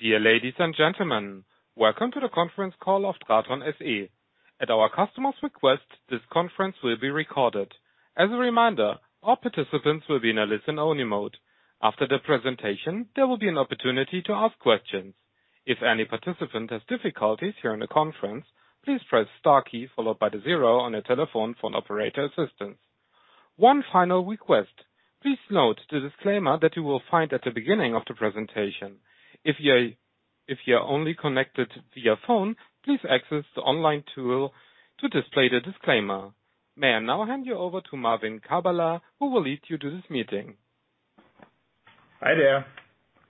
Dear ladies and gentlemen, welcome to the conference call of TRATON SE. At our customer's request, this conference will be recorded. As a reminder, all participants will be in a listen-only mode. After the presentation, there will be an opportunity to ask questions. If any participant has difficulties during the conference, please press star key followed by the zero on your telephone for an operator assistance. One final request. Please note the disclaimer that you will find at the beginning of the presentation. If you're only connected via phone, please access the online tool to display the disclaimer. May I now hand you over to Marvin Kabala, who will lead you to this meeting. Hi there.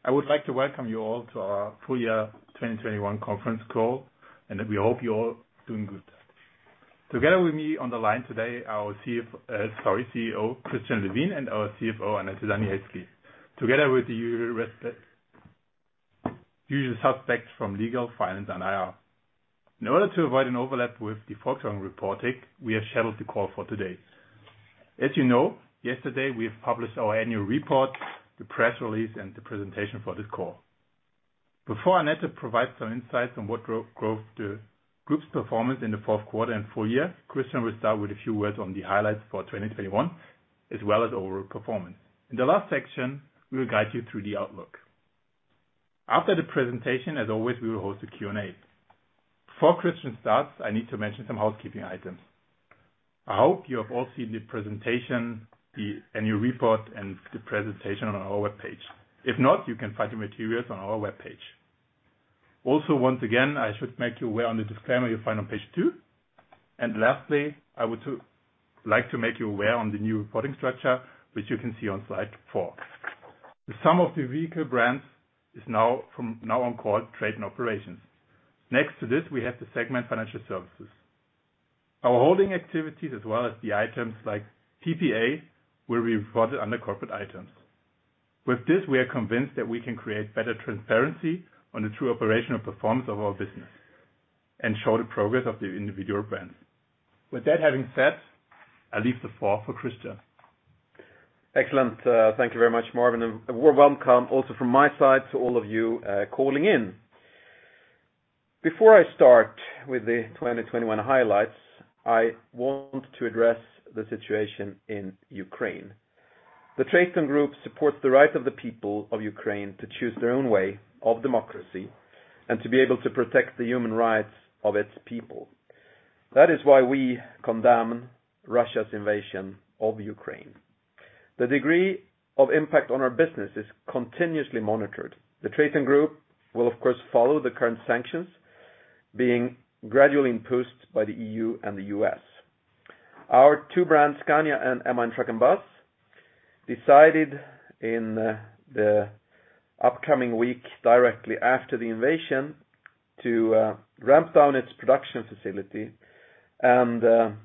I would like to welcome you all to our full year 2021 conference call, and we hope you're all doing good. Together with me on the line today, our CEO, Christian Levin, and our CFO, Annette Danielski, together with the rest, usual suspects from legal, finance, and IR. In order to avoid an overlap with the forthcoming reporting, we have scheduled the call for today. As you know, yesterday, we have published our annual report, the press release, and the presentation for this call. Before Annette provides some insights on what drove growth, the group's performance in the fourth quarter and full year, Christian will start with a few words on the highlights for 2021 as well as overall performance. In the last section, we will guide you through the outlook. After the presentation, as always, we will host a Q&A. Before Christian starts, I need to mention some housekeeping items. I hope you have all seen the presentation, the annual report, and the presentation on our webpage. If not, you can find the materials on our webpage. Also, once again, I should make you aware on the disclaimer you'll find on page two. Lastly, I would like to make you aware on the new reporting structure, which you can see on slide four. The sum of the vehicle brands is now on called TRATON Operations. Next to this, we have the segment Financial Services. Our holding activities, as well as the items like PPA, will be reported under Corporate Items. With this, we are convinced that we can create better transparency on the true operational performance of our business and show the progress of the individual brands. With that having said, I leave the floor for Christian. Excellent. Thank you very much, Marvin. A welcome also from my side to all of you calling in. Before I start with the 2021 highlights, I want to address the situation in Ukraine. The TRATON GROUP supports the right of the people of Ukraine to choose their own way of democracy and to be able to protect the human rights of its people. That is why we condemn Russia's invasion of Ukraine. The degree of impact on our business is continuously monitored. The TRATON GROUP will of course follow the current sanctions being gradually imposed by the EU and the U.S. Our two brands, Scania and MAN Truck & Bus, decided in the upcoming week, directly after the invasion, to ramp down its production facility and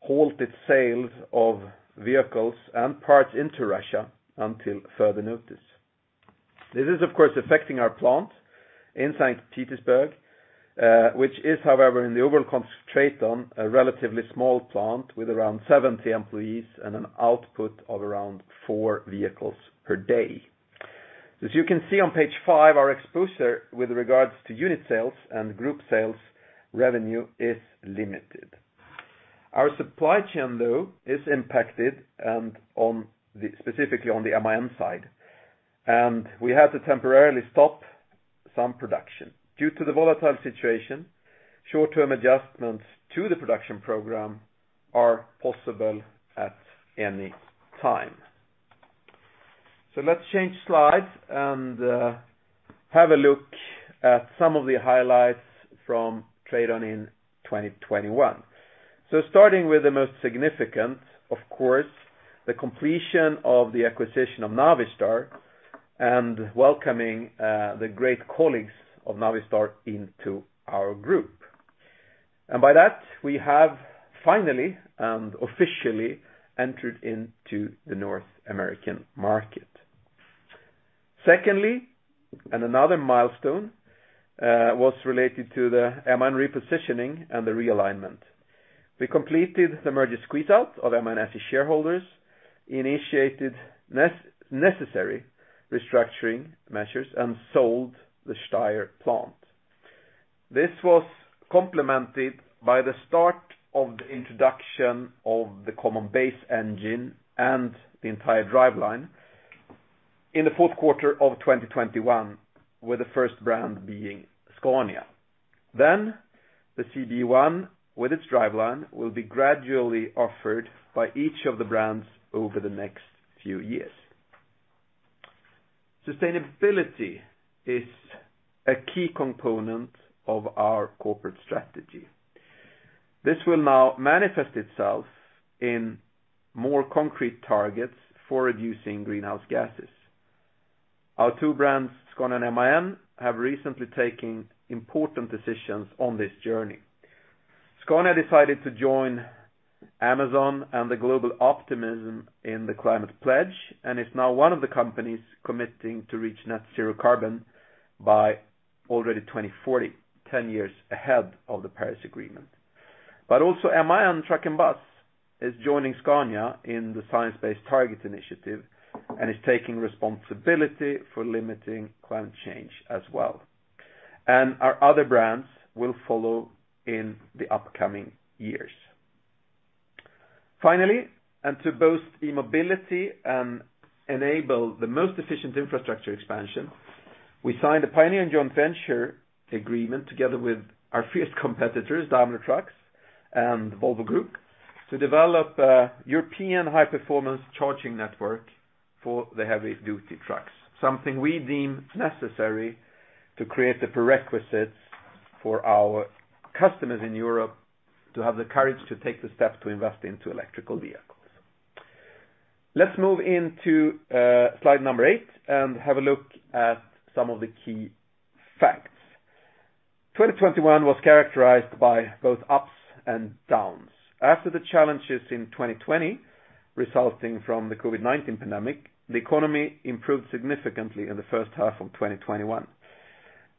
halt its sales of vehicles and parts into Russia until further notice. This is of course affecting our plant in Saint Petersburg, which is however, in the overall concentrate on a relatively small plant with around 70 employees and an output of around four vehicles per day. As you can see on page five, our exposure with regards to unit sales and group sales revenue is limited. Our supply chain, though, is impacted and specifically on the MAN side, and we had to temporarily stop some production. Due to the volatile situation, short-term adjustments to the production program are possible at any time. Let's change slides and have a look at some of the highlights from TRATON in 2021. Starting with the most significant, of course, the completion of the acquisition of Navistar and welcoming the great colleagues of Navistar into our group. By that, we have finally and officially entered into the North American market. Secondly, another milestone was related to the MAN repositioning and the realignment. We completed the merger squeeze-out of MAN SE shareholders, initiated necessary restructuring measures, and sold the Steyr plant. This was complemented by the start of the introduction of the Common Base Engine and the entire driveline in the fourth quarter of 2021, with the first brand being Scania. The CBE with its driveline will be gradually offered by each of the brands over the next few years. Sustainability is a key component of our corporate strategy. This will now manifest itself in more concrete targets for reducing greenhouse gases. Our two brands, Scania and MAN, have recently taken important decisions on this journey. Scania decided to join Amazon and Global Optimism in The Climate Pledge, and it's now one of the companies committing to reach net zero carbon by 2040, 10 years ahead of the Paris Agreement. Also, MAN Truck & Bus is joining Scania in the Science Based Targets initiative and is taking responsibility for limiting climate change as well. Our other brands will follow in the upcoming years. Finally to boost e-mobility and enable the most efficient infrastructure expansion, we signed a pioneer joint venture agreement together with our fierce competitors, Daimler Truck and Volvo Group, to develop a European high-performance charging network for the heavy-duty trucks, something we deem necessary to create the prerequisites for our customers in Europe to have the courage to take the step to invest into electric vehicles. Let's move into slide number eight and have a look at some of the key facts. 2021 was characterized by both ups and downs. After the challenges in 2020, resulting from the COVID-19 pandemic, the economy improved significantly in the first half of 2021.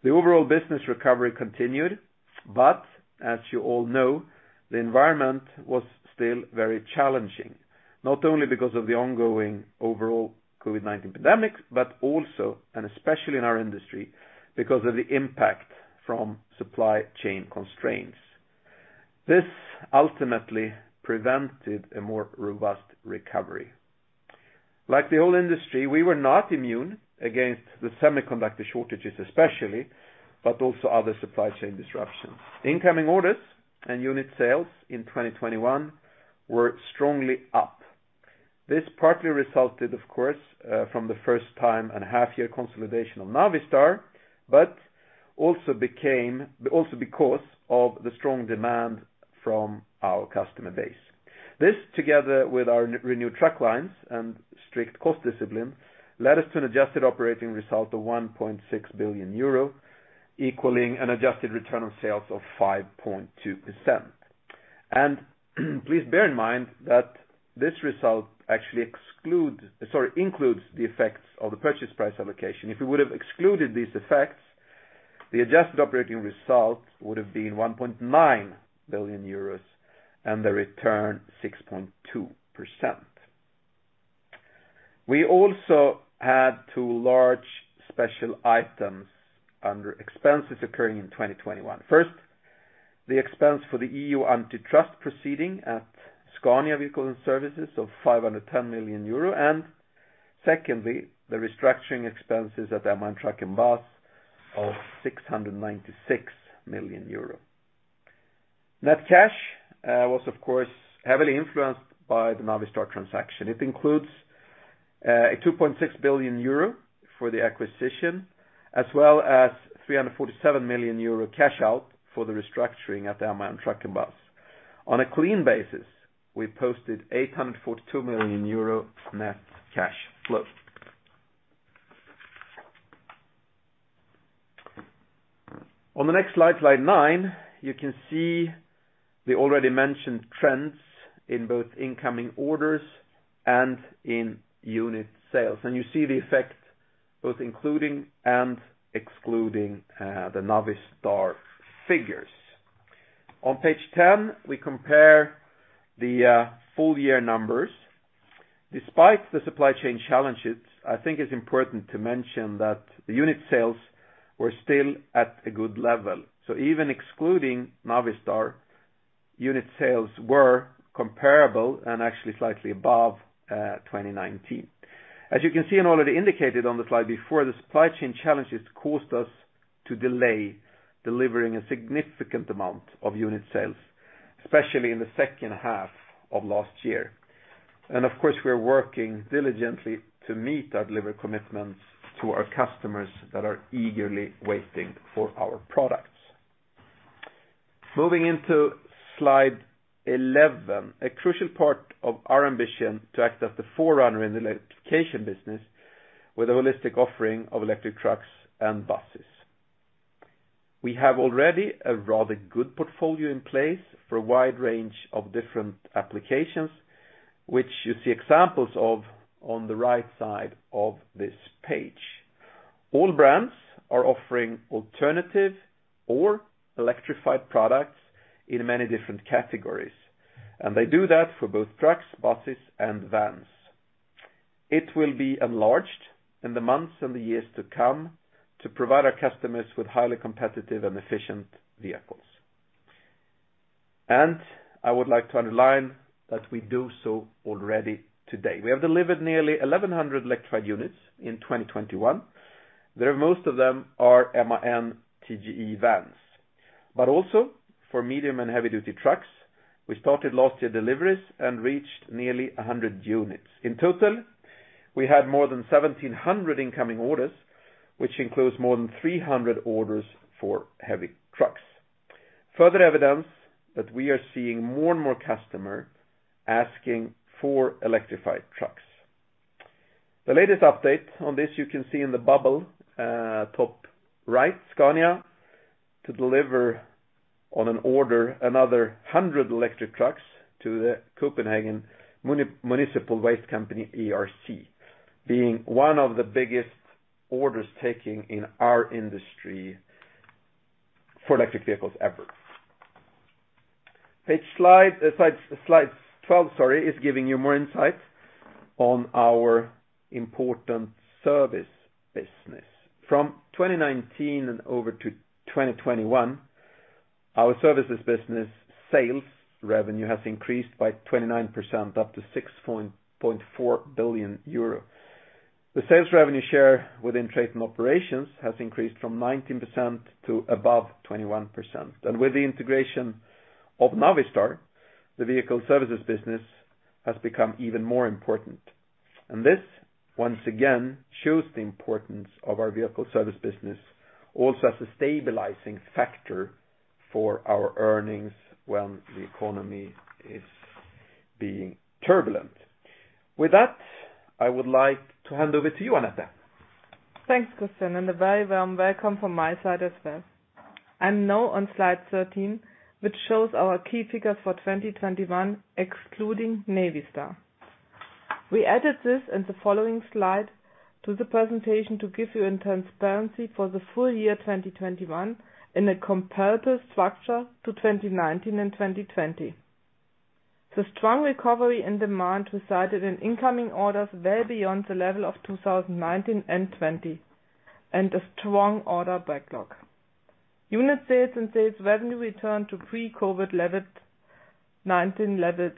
The overall business recovery continued, but as you all know, the environment was still very challenging. Not only because of the ongoing overall COVID-19 pandemic, but also, and especially in our industry, because of the impact from supply chain constraints. This ultimately prevented a more robust recovery. Like the whole industry, we were not immune against the semiconductor shortages, especially, but also other supply chain disruptions. Incoming orders and unit sales in 2021 were strongly up. This partly resulted, of course, from the first time and half year consolidation of Navistar, but also because of the strong demand from our customer base. This, together with our renewed truck lines and strict cost discipline, led us to an adjusted operating result of 1.6 billion euro, equaling an adjusted return on sales of 5.2%. Please bear in mind that this result actually includes the effects of the purchase price allocation. If we would have excluded these effects, the adjusted operating results would have been 1.9 billion euros and the return 6.2%. We also had two large special items under expenses occurring in 2021. First, the expense for the EU antitrust proceeding at Scania Vehicles & Services of 510 million euro, and secondly, the restructuring expenses at MAN Truck & Bus of EUR 696 million. Net cash was, of course, heavily influenced by the Navistar transaction. It includes a 2.6 billion euro for the acquisition, as well as 347 million euro cash out for the restructuring at the MAN Truck & Bus. On a clean basis, we posted 842 million euro net cash flow. On the next slide nine, you can see the already mentioned trends in both incoming orders and in unit sales. You see the effect both including and excluding the Navistar figures. On page 10, we compare the full year numbers. Despite the supply chain challenges, I think it's important to mention that the unit sales were still at a good level. Even excluding Navistar, unit sales were comparable and actually slightly above 2019. As you can see and already indicated on the slide before, the supply chain challenges caused us to delay delivering a significant amount of unit sales, especially in the second half of last year. Of course, we are working diligently to meet our delivery commitments to our customers that are eagerly waiting for our products. Moving into slide 11, a crucial part of our ambition to act as the forerunner in the electrification business with a holistic offering of electric trucks and buses. We have already a rather good portfolio in place for a wide range of different applications, which you see examples of on the right side of this page. All brands are offering alternative or electrified products in many different categories, and they do that for both trucks, buses, and vans. It will be enlarged in the months and the years to come to provide our customers with highly competitive and efficient vehicles. I would like to underline that we do so already today. We have delivered nearly 1,100 electrified units in 2021. The most of them are MAN TGE vans. But also for medium and heavy-duty trucks, we started last year deliveries and reached nearly 100 units. In total, we had more than 1,700 incoming orders, which includes more than 300 orders for heavy trucks. Further evidence that we are seeing more and more customer asking for electrified trucks. The latest update on this you can see in the bubble, top right, Scania, to deliver on an order another 100 electric trucks to the Copenhagen Municipal Waste Company, ARC. Being one of the biggest orders taking in our industry for electric vehicles ever. Slide 12, sorry, is giving you more insight on our important service business. From 2019 and over to 2021, our services business sales revenue has increased by 29% up to 6.4 billion euro. The sales revenue share within TRATON Operations has increased from 19% to above 21%. With the integration of Navistar, the vehicle services business has become even more important. This, once again, shows the importance of our vehicle service business also as a stabilizing factor for our earnings when the economy is being turbulent. With that, I would like to hand over to you, Annette. Thanks, Christian, and a very warm welcome from my side as well. I'm now on slide 13, which shows our key figures for 2021 excluding Navistar. We added this in the following slide to the presentation to give you a transparency for the full year 2021 in a comparative structure to 2019 and 2020. The strong recovery and demand resulted in incoming orders well beyond the level of 2019 and 2020, and a strong order backlog. Unit sales and sales revenue returned to pre-COVID-19 levels, 2019 levels.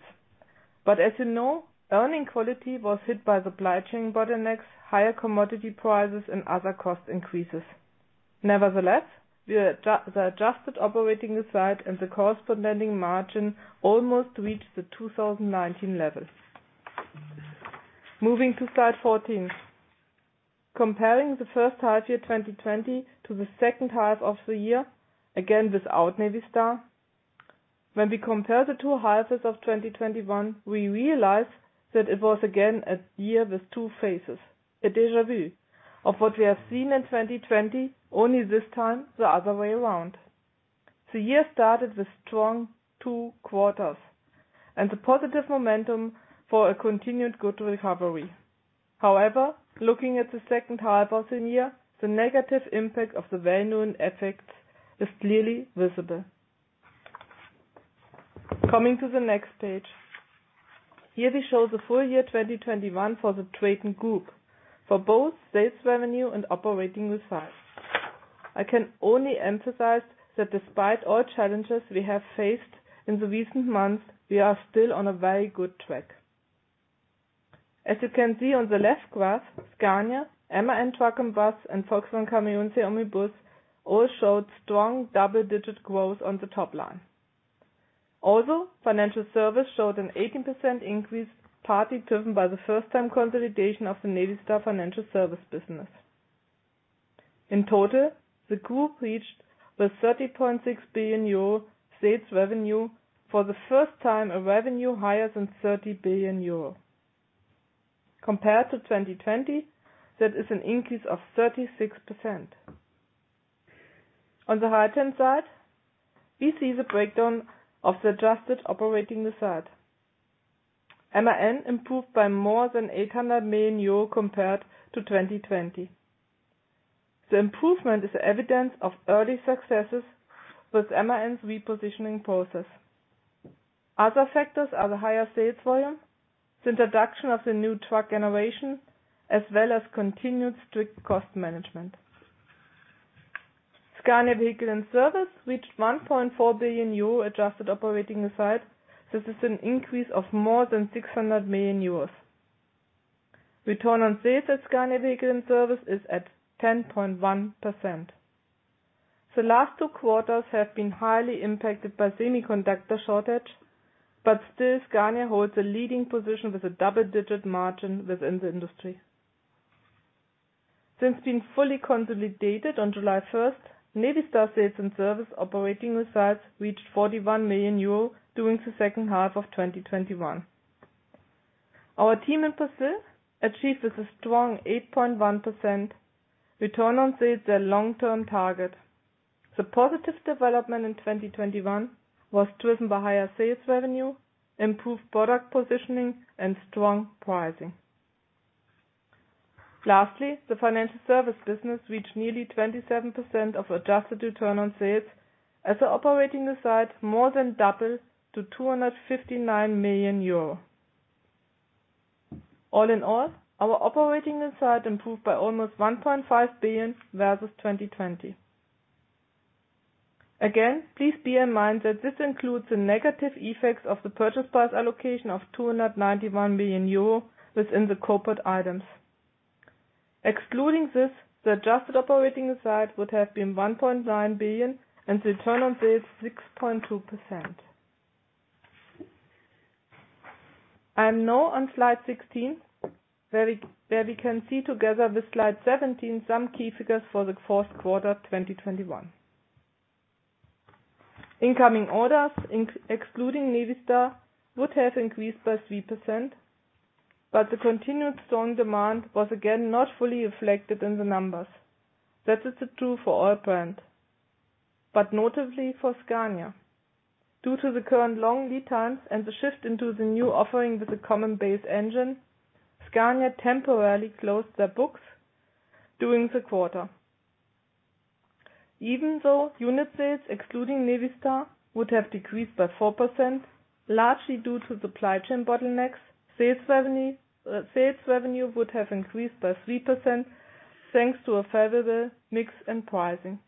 As you know, earning quality was hit by supply chain bottlenecks, higher commodity prices, and other cost increases. Nevertheless, the adjusted operating result and the corresponding margin almost reached the 2019 levels. Moving to slide 14. Comparing the first half year, 2020, to the second half of the year, again, without Navistar. When we compare the two halves of 2021, we realize that it was again a year with two phases, a déjà vu of what we have seen in 2020, only this time the other way around. The year started with strong two quarters and a positive momentum for a continued good recovery. However, looking at the second half of the year, the negative impact of the well-known effects is clearly visible. Coming to the next page. Here we show the full year 2021 for the TRATON Group for both sales revenue and operating results. I can only emphasize that despite all challenges we have faced in the recent months, we are still on a very good track. As you can see on the left graph, Scania, MAN Truck and Bus, and Volkswagen Camiones y Buses all showed strong double-digit growth on the top line. Financial Services showed an 18% increase, partly driven by the first time consolidation of the Navistar Financial Services business. In total, the group reached 30.6 billion euro sales revenue for the first time a revenue higher than 30 billion euro. Compared to 2020, that is an increase of 36%. On the right-hand side, we see the breakdown of the adjusted operating result. MAN improved by more than 800 million euro compared to 2020. The improvement is evidence of early successes with MAN's repositioning process. Other factors are the higher sales volume, the introduction of the new truck generation, as well as continued strict cost management. Scania Vehicles & Services reached 1.4 billion euro adjusted operating result. This is an increase of more than 600 million euros. Return on sales at Scania Vehicles & Services is at 10.1%. The last two quarters have been highly impacted by semiconductor shortage, but still Scania holds a leading position with a double-digit margin within the industry. Since being fully consolidated on July 1st, Navistar Sales and Service operating results reached 41 million euro during the second half of 2021. Our team in Brazil achieved a strong 8.1% return on sales, their long-term target. The positive development in 2021 was driven by higher sales revenue, improved product positioning, and strong pricing. Lastly, the financial service business reached nearly 27% adjusted return on sales as the operating result more than doubled to 259 million euro. All in all, our operating result improved by almost 1.5 billion versus 2020. Again, please bear in mind that this includes the negative effects of the purchase price allocation of 291 million euro within the Corporate Items. Excluding this, the adjusted operating result would have been 1.9 billion, and the return on sales 6.2%. I am now on slide 16, where we can see together with slide 17 some key figures for the fourth quarter 2021. Incoming orders excluding Navistar would have increased by 3%, but the continued strong demand was again not fully reflected in the numbers. That is true for all brands. Notably for Scania. Due to the current long lead times and the shift into the new offering with a Common Base Engine, Scania temporarily closed their books during the quarter. Even though unit sales excluding Navistar would have decreased by 4%, largely due to supply chain bottlenecks, sales revenue would have increased by 3% thanks to a favorable mix in pricing.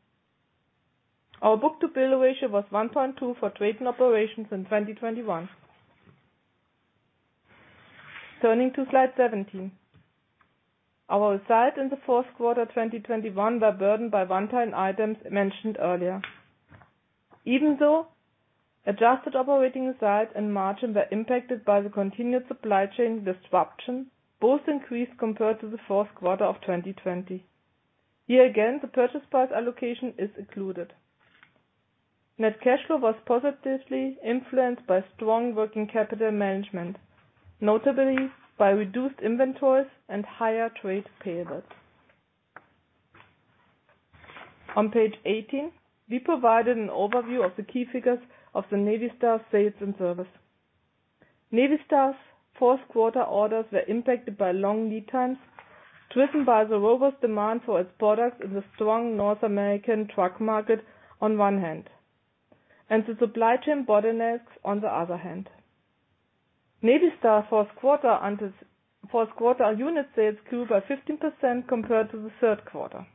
Our book-to-bill ratio was 1.2 for TRATON Operations in 2021. Turning to slide 17. Our sales in the fourth quarter 2021 were burdened by one-time items mentioned earlier. Even though adjusted operating sales and margin were impacted by the continued supply chain disruption, both increased compared to the fourth quarter of 2020. Here again, the purchase price allocation is included. Net cash flow was positively influenced by strong working capital management, notably by reduced inventories and higher trade payables. On page 18, we provided an overview of the key figures of the Navistar sales and service. Navistar's fourth quarter orders were impacted by long lead times, driven by the robust demand for its products in the strong North American truck market on one hand, and the supply chain bottlenecks on the other hand. Navistar's fourth quarter unit sales grew by 15% compared to the third quarter.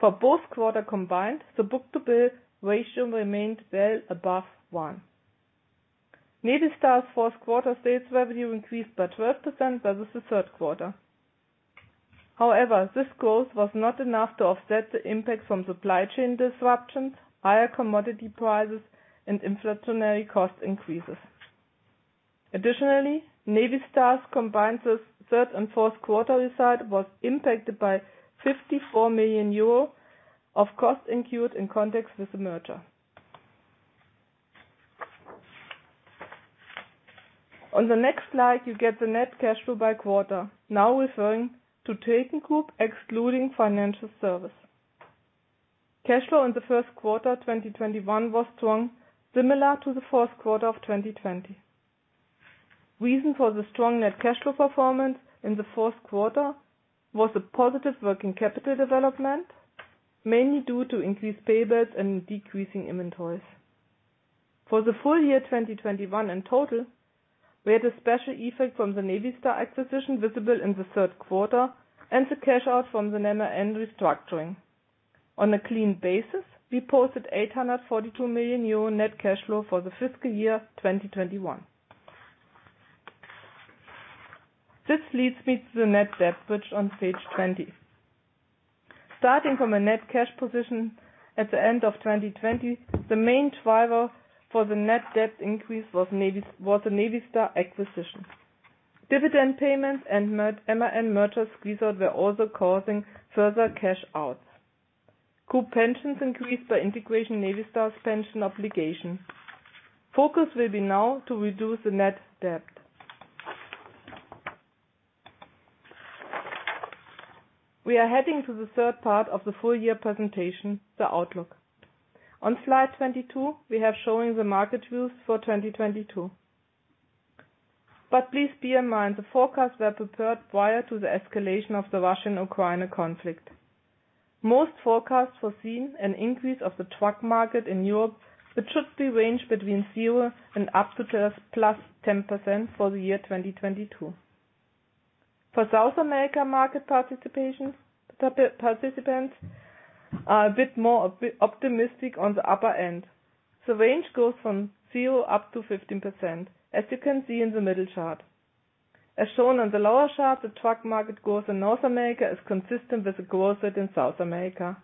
For both quarters combined, the book-to-bill ratio remained well above one. Navistar's fourth quarter sales revenue increased by 12% versus the third quarter. However, this growth was not enough to offset the impact from supply chain disruptions, higher commodity prices, and inflationary cost increases. Additionally, Navistar's combined third and fourth quarter result was impacted by 54 million euro of costs incurred in context with the merger. On the next slide, you get the net cash flow by quarter, now referring to TRATON GROUP, excluding financial services. Cash flow in the first quarter 2021 was strong, similar to the fourth quarter of 2020. Reason for the strong net cash flow performance in the fourth quarter was a positive working capital development, mainly due to increased payables and decreasing inventories. For the full year 2021 in total, we had a special effect from the Navistar acquisition visible in the third quarter and the cash out from the MAN restructuring. On a clean basis, we posted 842 million euro net cash flow for the fiscal year 2021. This leads me to the net debt bridge on page 20. Starting from a net cash position at the end of 2020, the main driver for the net debt increase was the Navistar acquisition. Dividend payments and MAN merger squeeze-out were also causing further cash outs. Group pensions increased by integrating Navistar's pension obligation. Focus will now be to reduce the net debt. We are heading to the third part of the full year presentation, the outlook. On slide 22, we are showing the market views for 2022. Please bear in mind, the forecasts were prepared prior to the escalation of the Russian-Ukrainian conflict. Most forecasts foresee an increase of the truck market in Europe, which should range between 0% and up to +10% for the year 2022. For South America market participants are a bit more optimistic on the upper end. The range goes from 0% up to 15%, as you can see in the middle chart. As shown on the lower chart, the truck market growth in North America is consistent with the growth rate in South America,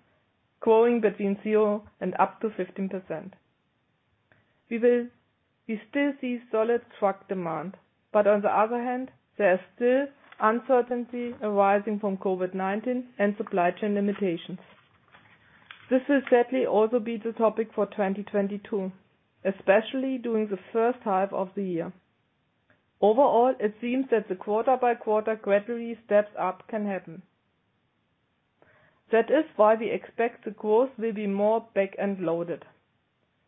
growing between 0% and up to 15%. We still see solid truck demand, but on the other hand, there is still uncertainty arising from COVID-19 and supply chain limitations. This will sadly also be the topic for 2022, especially during the first half of the year. Overall, it seems that the quarter-by-quarter gradually steps up can happen. That is why we expect the growth will be more back-end loaded,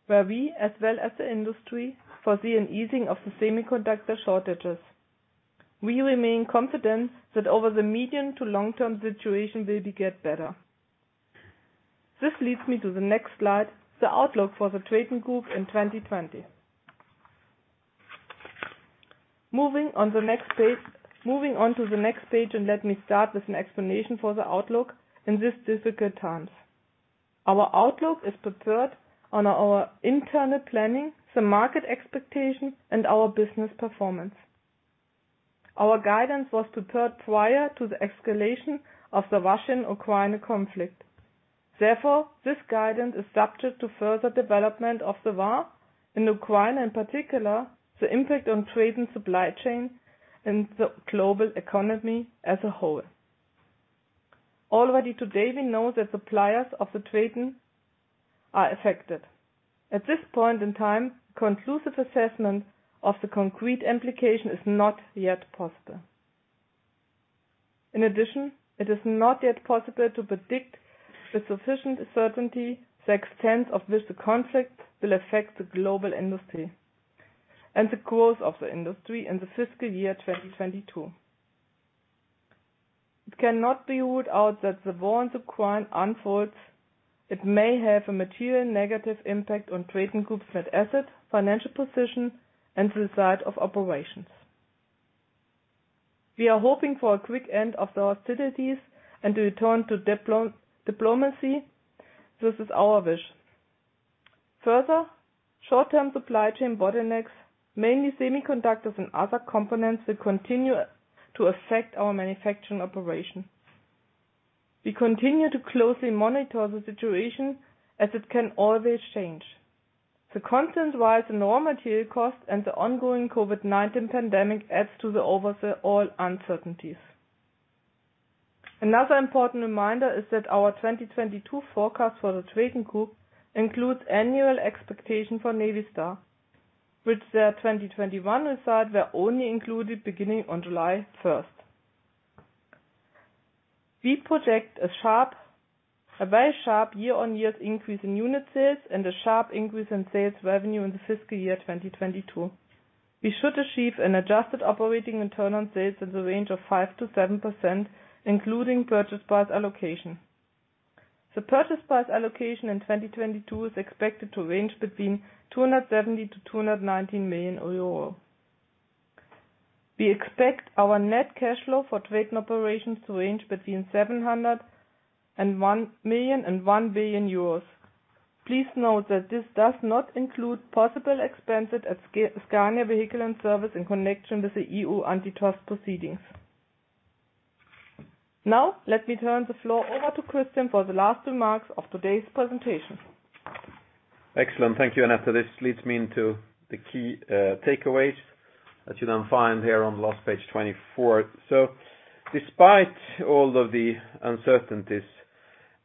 where we, as well as the industry, foresee an easing of the semiconductor shortages. We remain confident that over the medium to long-term situation will get better. This leads me to the next slide, the outlook for the TRATON Group in 2020. Moving on to the next page, let me start with an explanation for the outlook in this difficult times. Our outlook is prepared on our internal planning, the market expectation, and our business performance. Our guidance was prepared prior to the escalation of the Russian-Ukrainian conflict. Therefore, this guidance is subject to further development of the war in Ukraine, in particular, the impact on TRATON supply chain and the global economy as a whole. Already today, we know that suppliers of the TRATON are affected. At this point in time, conclusive assessment of the concrete implication is not yet possible. In addition, it is not yet possible to predict with sufficient certainty the extent to which the conflict will affect the global industry and the growth of the industry in the fiscal year 2022. It cannot be ruled out that the war in Ukraine unfolds. It may have a material negative impact on TRATON Group's net asset, financial position, and the site of operations. We are hoping for a quick end of the hostilities and to return to diplomacy. This is our wish. Further, short-term supply chain bottlenecks, mainly semiconductors and other components, will continue to affect our manufacturing operation. We continue to closely monitor the situation as it can always change. The constant rise in raw material cost and the ongoing COVID-19 pandemic adds to the overall uncertainties. Another important reminder is that our 2022 forecast for the TRATON Group includes annual expectation for Navistar, which their 2021 results were only included beginning on July 1st. We project a very sharp year-on-year increase in unit sales and a sharp increase in sales revenue in the fiscal year 2022. We should achieve an adjusted operating return on sales in the range of 5%-7%, including purchase price allocation. The purchase price allocation in 2022 is expected to range between 270 million-290 million euro. We expect our net cash flow for TRATON Operations to range between 701 million and 1 billion euros. Please note that this does not include possible expenses at Scania Vehicles & Services in connection with the EU antitrust proceedings. Now let me turn the floor over to Christian for the last remarks of today's presentation. Excellent. Thank you, Annette. This leads me into the key takeaways that you then find here on the last page, 24. Despite all of the uncertainties,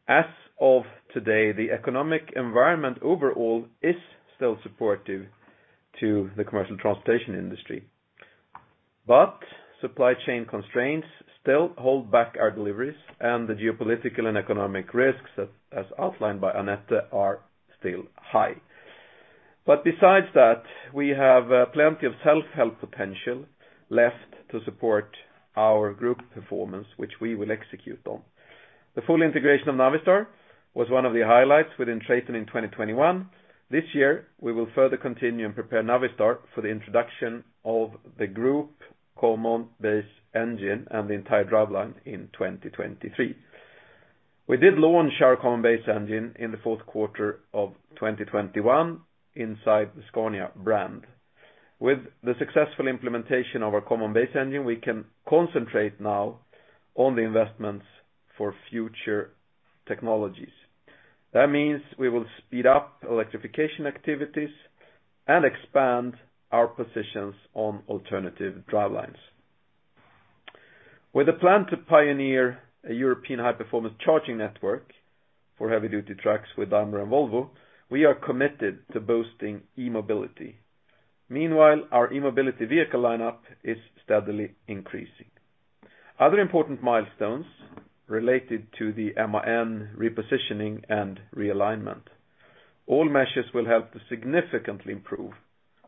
as of today, the economic environment overall is still supportive to the commercial transportation industry. Supply chain constraints still hold back our deliveries, and the geopolitical and economic risks, as outlined by Annette, are still high. Besides that, we have plenty of self-help potential left to support our group performance, which we will execute on. The full integration of Navistar was one of the highlights within TRATON in 2021. This year, we will further continue and prepare Navistar for the introduction of the group Common Base Engine and the entire driveline in 2023. We did launch our Common Base Engine in the fourth quarter of 2021 inside the Scania brand. With the successful implementation of our Common Base Engine, we can concentrate now on the investments for future technologies. That means we will speed up electrification activities and expand our positions on alternative drivelines. With a plan to pioneer a European high-performance charging network for heavy-duty trucks with Daimler and Volvo, we are committed to boosting e-mobility. Meanwhile, our e-mobility vehicle lineup is steadily increasing. Other important milestones related to the MAN repositioning and realignment. All measures will help to significantly improve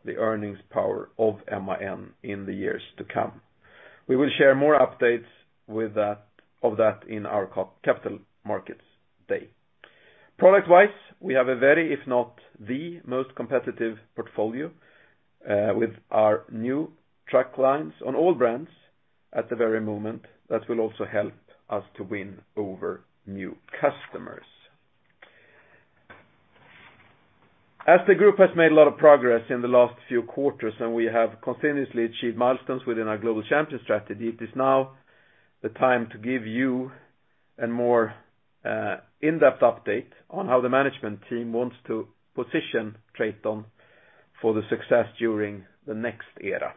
the earnings power of MAN in the years to come. We will share more updates of that in our Capital Markets Day. Product-wise, we have a very, if not the most competitive portfolio, with our new truck lines on all brands at the very moment that will also help us to win over new customers. As the group has made a lot of progress in the last few quarters, and we have continuously achieved milestones within our global champion strategy, it is now the time to give you a more in-depth update on how the management team wants to position Traton for the success during the next era.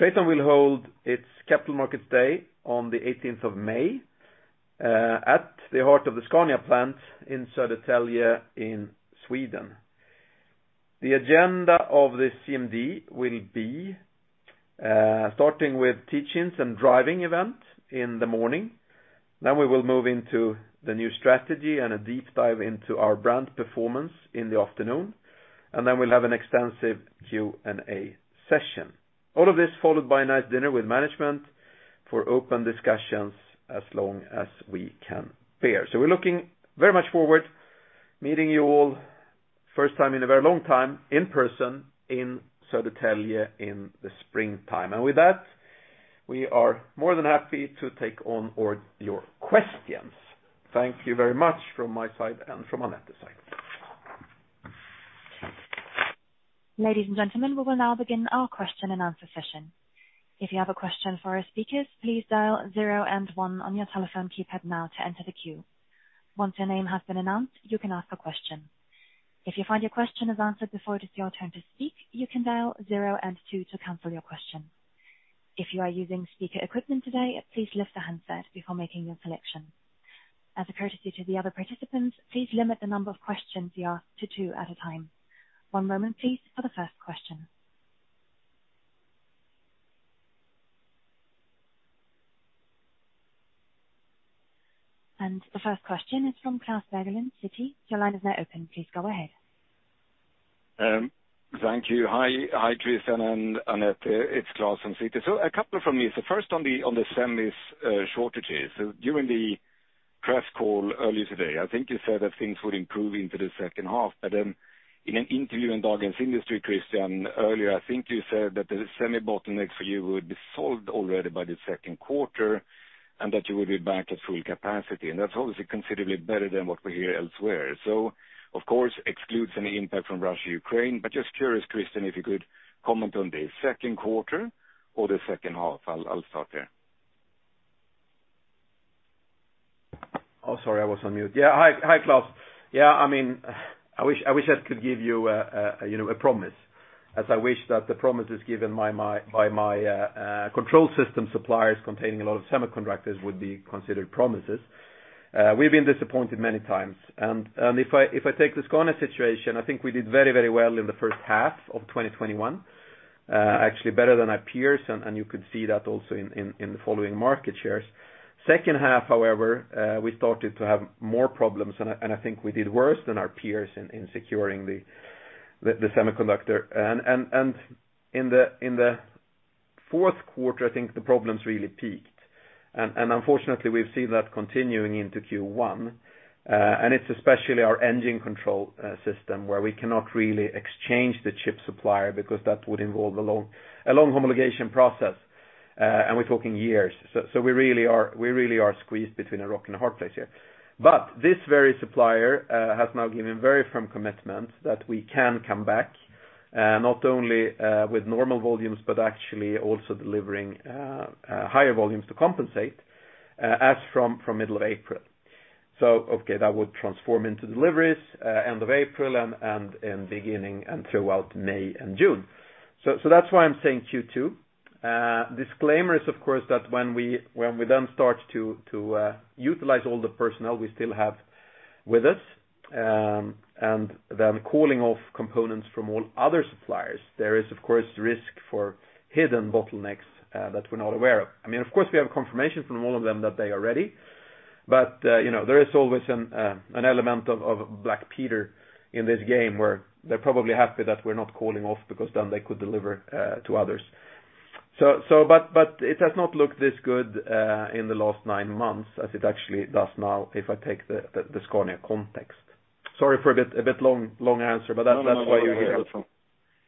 Traton will hold its Capital Markets Day on the eighteenth of May at the heart of the Scania plant in Södertälje in Sweden. The agenda of this CMD will be starting with teachings and driving event in the morning. We will move into the new strategy and a deep dive into our brand performance in the afternoon. We'll have an extensive Q&A session. All of this followed by a nice dinner with management for open discussions as long as we can bear. We're looking very much forward to meeting you all, first time in a very long time, in person in Södertälje in the springtime. With that, we are more than happy to take on all your questions. Thank you very much from my side and from Annette's side. Ladies and gentlemen, we will now begin our question and answer session. If you have a question for our speakers, please dial zero and one on your telephone keypad now to enter the queue. Once your name has been announced, you can ask a question. If you find your question is answered before it is your turn to speak, you can dial zero and two to cancel your question. If you are using speaker equipment today, please lift the handset before making your selection. As a courtesy to the other participants, please limit the number of questions you ask to two at a time. One moment please for the first question. The first question is from Klas Bergelind, Citi. Your line is now open. Please go ahead. Thank you. Hi, hi, Christian and Annette. It's Klas Bergelind from Citi. A couple from me. First on the semis shortages. During the press call earlier today, I think you said that things would improve into the second half. Then in an interview in Dagens industri, Christian, earlier, I think you said that the semi bottlenecks for you would be solved already by the second quarter, and that you would be back at full capacity. That's obviously considerably better than what we hear elsewhere. Of course, excludes any impact from Russia, Ukraine. Just curious, Christian, if you could comment on the second quarter or the second half. I'll start there. Oh, sorry, I was on mute. Yeah. Hi, hi, Klas. Yeah. I mean, I wish I could give you a, you know, a promise as I wish that the promises given by my control system suppliers containing a lot of semiconductors would be considered promises. We've been disappointed many times. If I take the Scania situation, I think we did very, very well in the first half of 2021. Actually better than our peers, and you could see that also in the following market shares. Second half, however, we started to have more problems, and I think we did worse than our peers in securing the semiconductor. In the fourth quarter, I think the problems really peaked. Unfortunately we've seen that continuing into Q1. It's especially our engine control system where we cannot really exchange the chip supplier because that would involve a long homologation process. We're talking years. We really are squeezed between a rock and a hard place here. This very supplier has now given very firm commitments that we can come back not only with normal volumes, but actually also delivering higher volumes to compensate as from middle of April. That would transform into deliveries end of April and in beginning and throughout May and June. That's why I'm saying Q2. Disclaimer is of course that when we start to utilize all the personnel we still have with us, and then calling off components from all other suppliers, there is of course risk for hidden bottlenecks that we're not aware of. I mean, of course we have confirmation from all of them that they are ready, but you know, there is always an element of Black Peter in this game where they're probably happy that we're not calling off because then they could deliver to others. It has not looked this good in the last nine months as it actually does now, if I take the Scania context. Sorry for a bit long answer, but that's why you're here.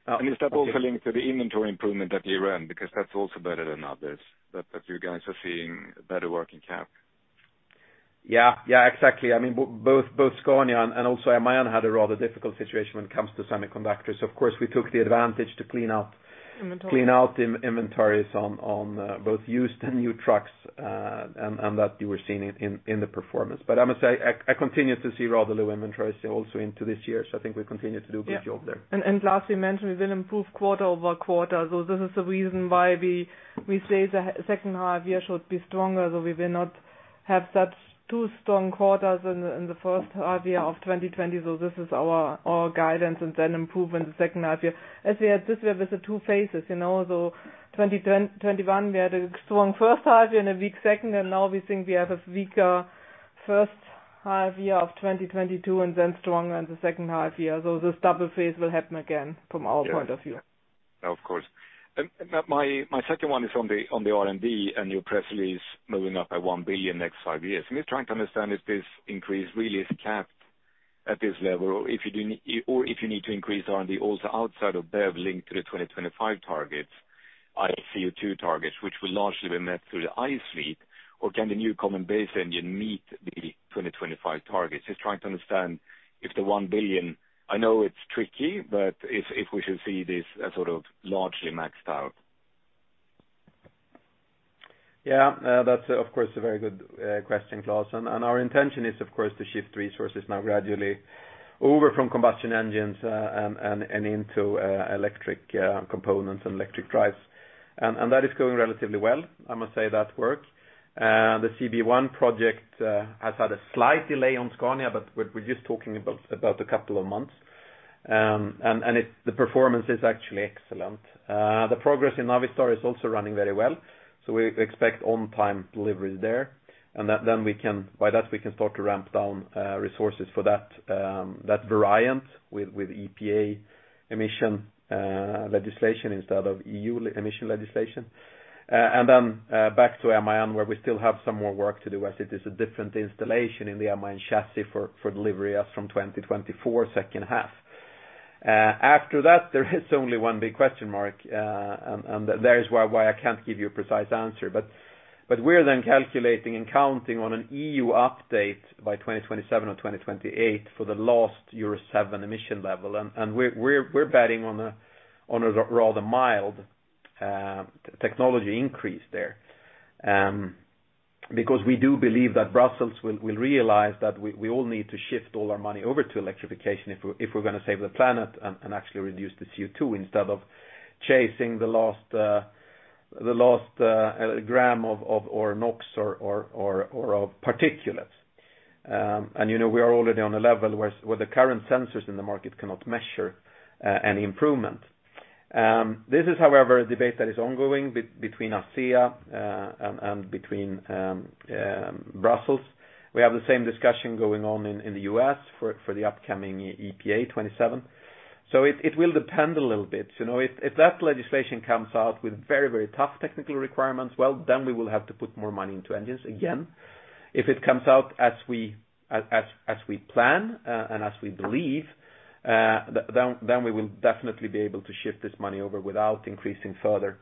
No, no. Is that also linked to the inventory improvement that you ran? Because that's also better than others, that you guys are seeing better working cap. Yeah, yeah, exactly. I mean, both Scania and also MAN had a rather difficult situation when it comes to semiconductors. Of course, we took the advantage to clean out- Inventory. Cleaning out inventories on both used and new trucks and that you were seeing in the performance. I must say I continue to see rather low inventories also into this year. I think we continue to do a good job there. Klas, you mentioned we will improve quarter-over-quarter. This is the reason why we say the second half year should be stronger, so we will not have such two strong quarters in the first half year of 2020. This is our guidance and then improvement the second half year. As we had this year with the two phases, you know. Twenty-one, we had a strong first half year and a weak second, and now we think we have a weaker first half year of 2022, and then stronger in the second half year. This double phase will happen again from our point of view. Yeah. No, of course. My second one is on the R&D and your press release moving up by 1 billion next five years. I'm just trying to understand if this increase really is capped at this level or if you need to increase R&D also outside of BEV linked to the 2025 targets, CO2 targets, which will largely be met through the ICE fleet. Or can the new Common Base Engine meet the 2025 targets? Just trying to understand if the 1 billion. I know it's tricky, but if we should see this as sort of largely maxed out. Yeah. That's of course a very good question, Klas. Our intention is of course to shift resources now gradually over from combustion engines and into electric components and electric drives. That is going relatively well. I must say that works. The CBE project has had a slight delay on Scania, but we're just talking about a couple of months. The performance is actually excellent. The progress in Navistar is also running very well, so we expect on-time delivery there. By that, we can start to ramp down resources for that variant with EPA emission legislation instead of EU emission legislation. Back to MAN where we still have some more work to do as it is a different installation in the MAN chassis for delivery as from 2024 second half. After that, there is only one big question mark. That's why I can't give you a precise answer. We're then calculating and counting on an EU update by 2027 or 2028 for the last Euro 7 emission level. We're betting on a rather mild technology increase there. Because we do believe that Brussels will realize that we all need to shift all our money over to electrification if we're gonna save the planet and actually reduce the CO2 instead of chasing the last gram of NOx or particulates. You know, we are already on a level where the current sensors in the market cannot measure any improvement. This is, however, a debate that is ongoing between ACEA and between Brussels. We have the same discussion going on in the U.S. for the upcoming EPA 2027. It will depend a little bit, you know. If that legislation comes out with very tough technical requirements, well, then we will have to put more money into engines again. If it comes out as we plan and as we believe, then we will definitely be able to shift this money over without increasing further,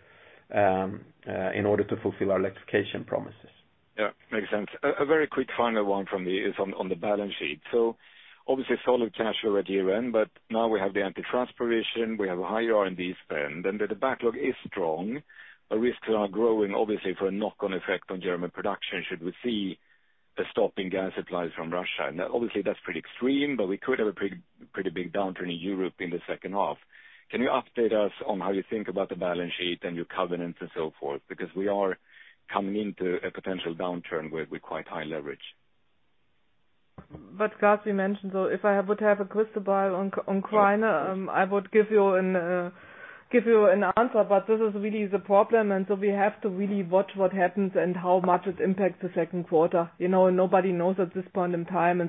in order to fulfill our electrification promises. Yeah, makes sense. A very quick final one from me is on the balance sheet. Obviously solid cash flow at year-end, but now we have the antitrust provision, we have a higher R&D spend, and the backlog is strong. The risks are growing, obviously, for a knock-on effect on German production should we see a stop in gas supplies from Russia. Obviously, that's pretty extreme, but we could have a pretty big downturn in Europe in the second half. Can you update us on how you think about the balance sheet and your covenants and so forth? Because we are coming into a potential downturn with quite high leverage. Klas, you mentioned, so if I would have a crystal ball on Ukraine, I would give you an answer, but this is really the problem, we have to really watch what happens and how much it impacts the second quarter. You know, nobody knows at this point in time.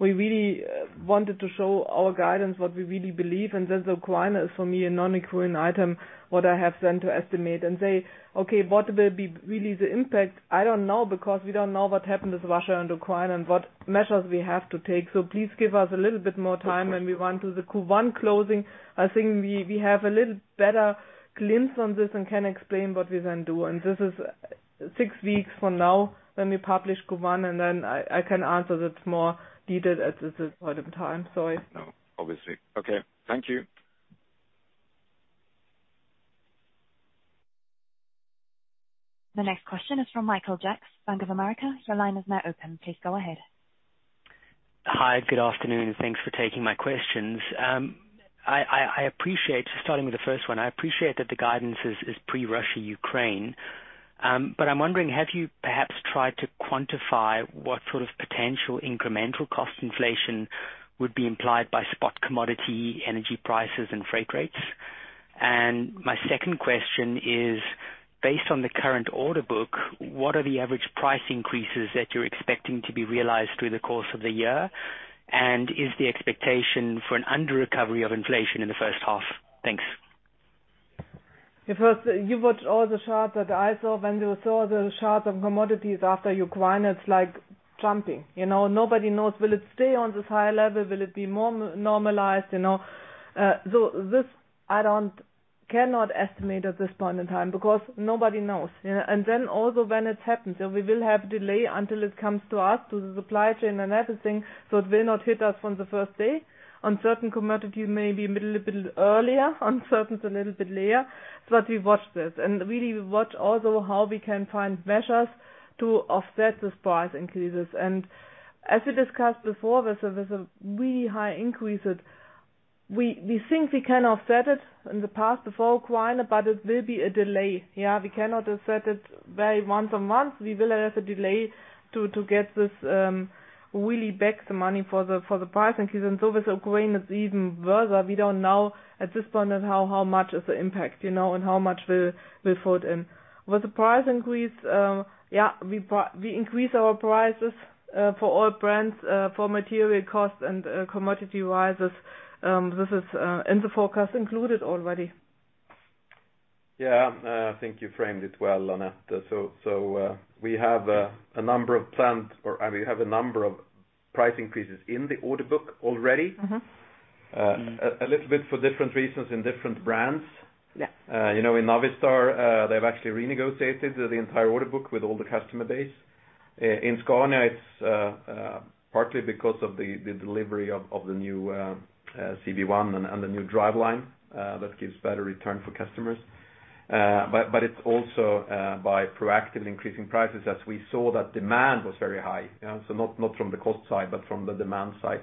We really wanted to show our guidance, what we really believe, Ukraine is for me a non-recurring item, what I have then to estimate and say, "Okay, what will be really the impact?" I don't know, because we don't know what happens with Russia and Ukraine and what measures we have to take. Please give us a little bit more time, we went to the Q1 closing. I think we have a little better glimpse on this and can explain what we then do. This is six weeks from now when we publish Q1, and then I can answer that more detailed at this point in time. Sorry. No, obviously. Okay, thank you. The next question is from Michael Jacks, Bank of America. Your line is now open. Please go ahead. Hi, good afternoon, and thanks for taking my questions. Starting with the first one, I appreciate that the guidance is pre-Russia-Ukraine, but I'm wondering, have you perhaps tried to quantify what sort of potential incremental cost inflation would be implied by spot commodity, energy prices, and freight rates? And my second question is, based on the current order book, what are the average price increases that you're expecting to be realized through the course of the year? And is the expectation for an under recovery of inflation in the first half? Thanks. Because you watched all the charts that I saw. When you saw the charts of commodities after Ukraine, it's like jumping. You know, nobody knows, will it stay on this high level? Will it be normalized, you know? So this I cannot estimate at this point in time because nobody knows. You know, and then also when it happens, we will have delay until it comes to us, to the supply chain and everything, so it will not hit us from the first day. On certain commodities, maybe a little bit earlier, on certain, a little bit later. We watch this and really watch also how we can find measures to offset these price increases. As we discussed before, there's really high increases. We think we can offset it in the past before Ukraine, but it will be a delay. Yeah, we cannot offset it every month on month. We will have a delay to get this really back the money for the price increase. With Ukraine, it's even worse. We don't know at this point how much is the impact, you know, and how much will fall in. With the price increase, yeah, we increase our prices for all brands for material costs and commodity rises. This is in the forecast included already. Yeah. I think you framed it well, Annette. I mean, we have a number of price increases in the order book already. Mm-hmm. A little bit for different reasons in different brands. Yeah. You know, in Navistar, they've actually renegotiated the entire order book with all the customer base. In Scania, it's partly because of the delivery of the new CV1 and the new driveline that gives better return for customers. But it's also by proactively increasing prices as we saw that demand was very high. You know, so not from the cost side, but from the demand side.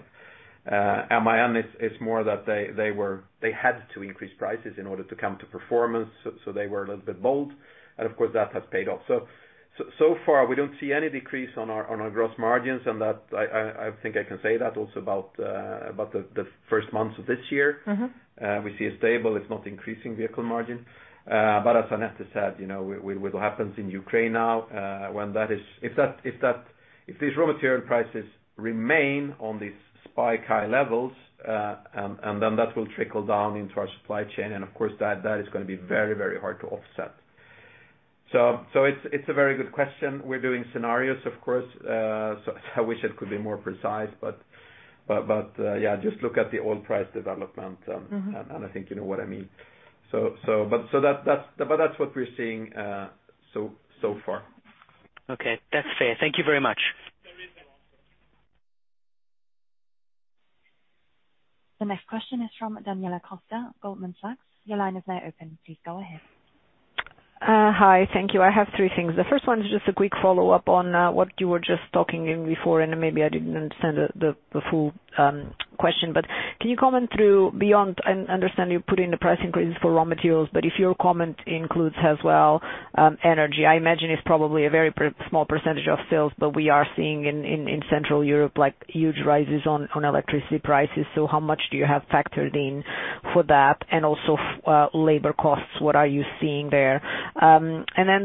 MAN is more that they had to increase prices in order to come to performance, so they were a little bit bold. Of course, that has paid off. So far we don't see any decrease in our gross margins, and that I think I can say that also about the first months of this year. Mm-hmm. We see a stable. It's not increasing vehicle margin. But as Annette said, you know, with what happens in Ukraine now, if these raw material prices remain on these spike high levels, and then that will trickle down into our supply chain, and of course that is gonna be very hard to offset. So it's a very good question. We're doing scenarios, of course. So I wish it could be more precise, but yeah, just look at the oil price development. Mm-hmm. I think you know what I mean. That's what we're seeing so far. Okay. That's fair. Thank you very much. The next question is from Daniela Costa, Goldman Sachs. Your line is now open. Please go ahead. Hi. Thank you. I have three things. The first one is just a quick follow-up on what you were just talking about before, and maybe I didn't understand the full question. Can you comment through beyond. I understand you're putting the price increases for raw materials, but if your comment includes as well energy. I imagine it's probably a very small percentage of sales, but we are seeing in Central Europe, like, huge rises on electricity prices. So how much do you have factored in for that? And also labor costs, what are you seeing there?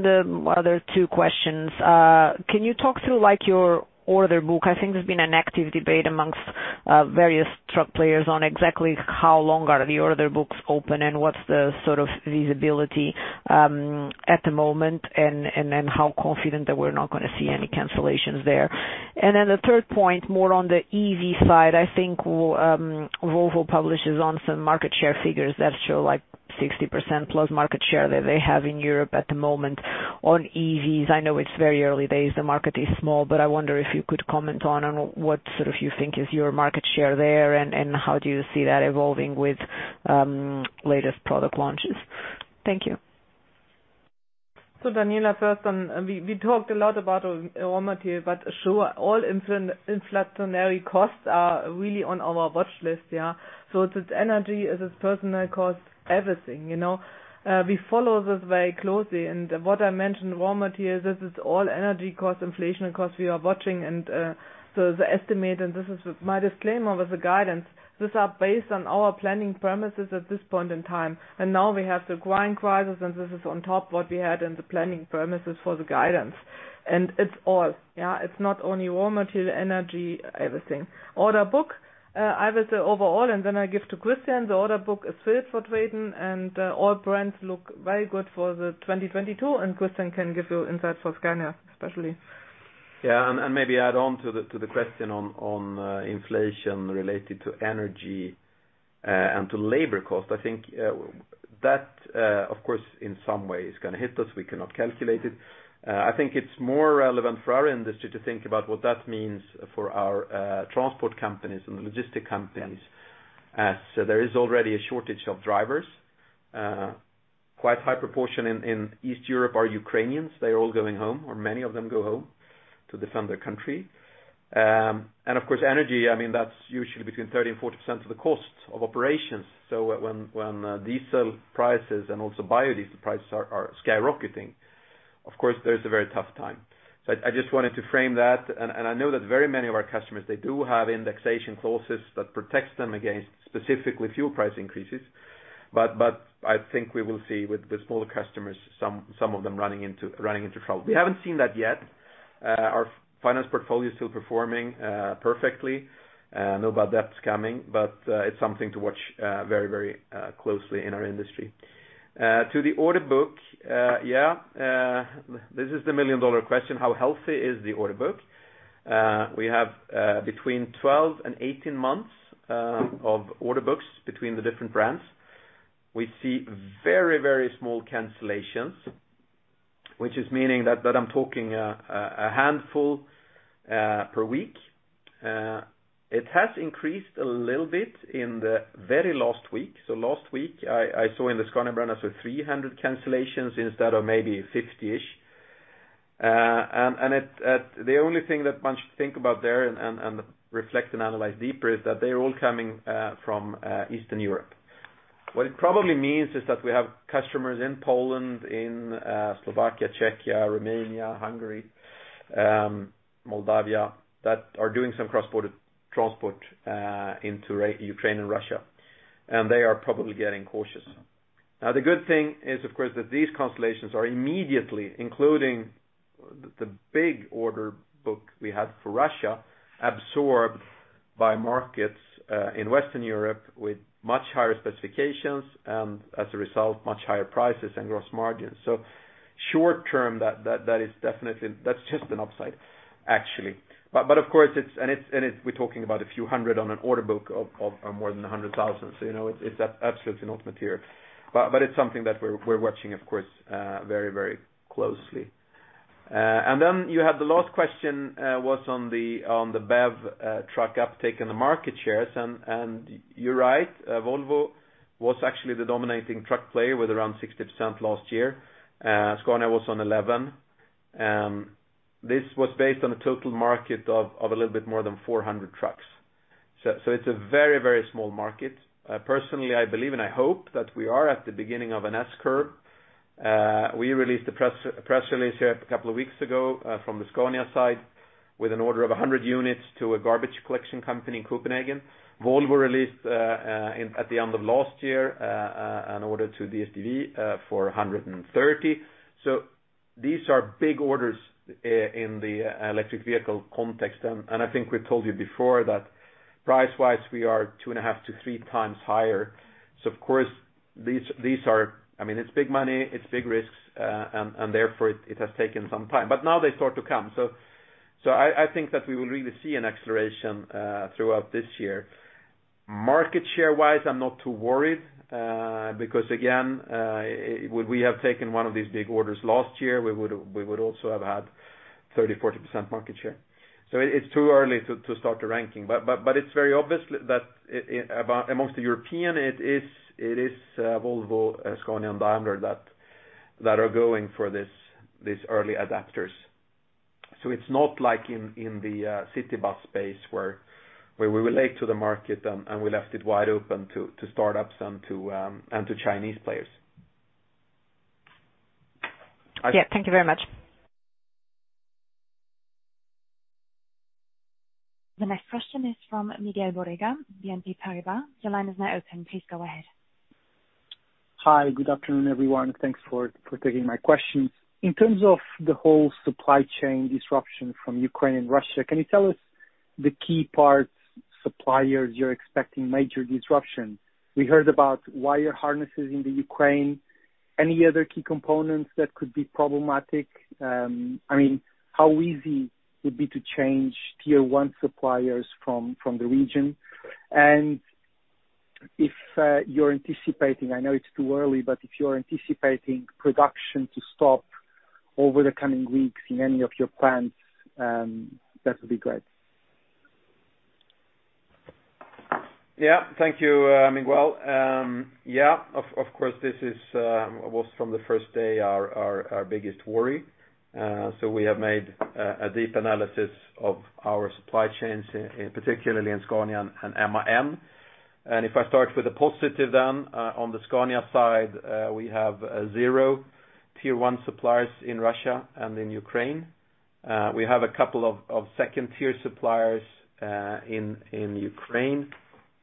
The other two questions. Can you talk through, like, your order book? I think there's been an active debate among various truck players on exactly how long are the order books open, and what's the sort of visibility at the moment, and then how confident that we're not gonna see any cancellations there. Then the third point, more on the EV side. I think Volvo publishes on some market share figures that show, like, 60%+ market share that they have in Europe at the moment on EVs. I know it's very early days, the market is small, but I wonder if you could comment on what sort of you think is your market share there, and how do you see that evolving with latest product launches. Thank you. Daniela, first on, we talked a lot about raw material, but sure, all inflationary costs are really on our watch list, yeah? It is energy, it is personnel cost, everything, you know. We follow this very closely, and what I mentioned, raw materials, this is all energy costs, inflation costs we are watching, so the estimate, and this is my disclaimer with the guidance, this are based on our planning premises at this point in time. Now we have the grain crisis, and this is on top what we had in the planning premises for the guidance. It's all, yeah. It's not only raw material, energy, everything. Order book, I will say overall, and then I give to Christian, the order book is filled for TRATON, and all brands look very good for 2022, and Christian can give you insight for Scania, especially. Maybe add on to the question on inflation related to energy and to labor cost. I think that of course in some way is gonna hit us. We cannot calculate it. I think it's more relevant for our industry to think about what that means for our transport companies and the logistics companies. There is already a shortage of drivers. Quite high proportion in Eastern Europe are Ukrainians. They're all going home, or many of them go home to defend their country. Of course, energy, I mean, that's usually between 30% and 40% of the cost of operations. When diesel prices and also biodiesel prices are skyrocketing, of course, there is a very tough time. I just wanted to frame that, and I know that very many of our customers, they do have indexation clauses that protects them against specifically fuel price increases, but I think we will see with the smaller customers, some of them running into trouble. We haven't seen that yet. Our finance portfolio is still performing perfectly. No bad debts coming, but it's something to watch very closely in our industry. To the order book, yeah, this is the million-dollar question, how healthy is the order book? We have between 12 and 18 months of order books between the different brands. We see very small cancellations, which is meaning that I'm talking a handful per week. It has increased a little bit in the very last week. Last week, I saw in the Scania brand 300 cancellations instead of maybe 50-ish. The only thing that one should think about there and reflect and analyze deeper is that they're all coming from Eastern Europe. What it probably means is that we have customers in Poland, in Slovakia, Czechia, Romania, Hungary, Moldova, that are doing some cross-border transport into Ukraine and Russia. They are probably getting cautious. The good thing is, of course, that these cancellations are immediately, including the big order book we have for Russia, absorbed by markets in Western Europe with much higher specifications, and as a result, much higher prices and gross margins. Short-term, that is definitely that's just an upside, actually. But of course, it's we're talking about a few hundred on an order book of more than 100,000. So, you know, it's absolutely not material. But it's something that we're watching, of course, very closely. And then you have the last question was on the BEV truck uptake and the market shares. You're right. Volvo was actually the dominating truck player with around 60% last year. Scania was on 11%. This was based on a total market of a little bit more than 400 trucks. It's a very small market. Personally, I believe and I hope that we are at the beginning of an S-curve. We released a press release here a couple of weeks ago from the Scania side, with an order of 100 units to a garbage collection company in Copenhagen. Volvo released at the end of last year an order to DFDS for 130. These are big orders in the electric vehicle context. I think we told you before that price-wise, we are 2.5-3x higher. Of course, these are. I mean, it's big money, it's big risks, and therefore it has taken some time. Now they start to come. I think that we will really see an acceleration throughout this year. Market share-wise, I'm not too worried, because again, would we have taken one of these big orders last year, we would also have had 30%-40% market share. It's too early to start the ranking, but it's very obvious that amongst the Europeans it is Volvo, Scania and Daimler that are going for these early adopters. It's not like in the city bus space where we relate to the market and we left it wide open to start-ups and to Chinese players. Yeah. Thank you very much. The next question is from Miguel Borrega, BNP Paribas. Your line is now open. Please go ahead. Hi. Good afternoon, everyone. Thanks for taking my question. In terms of the whole supply chain disruption from Ukraine and Russia, can you tell us the key parts, suppliers you're expecting major disruption? We heard about wire harnesses in the Ukraine. Any other key components that could be problematic? I mean, how easy would be to change tier one suppliers from the region? If you're anticipating, I know it's too early, but if you're anticipating production to stop over the coming weeks in any of your plants, that would be great. Yeah. Thank you, Miguel. Yeah, of course, this was from the first day our biggest worry. We have made a deep analysis of our supply chains in, particularly in Scania and MAN. If I start with the positive then, on the Scania side, we have zero tier one suppliers in Russia and in Ukraine. We have a couple of second-tier suppliers in Ukraine.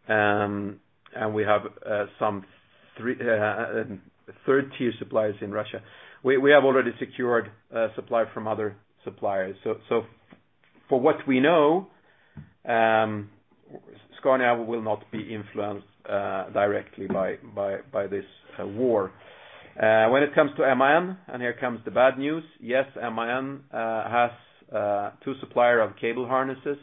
We have some third-tier suppliers in Russia. We have already secured supply from other suppliers. For what we know, Scania will not be influenced directly by this war. When it comes to MAN, here comes the bad news, yes, MAN has two suppliers of cable harnesses.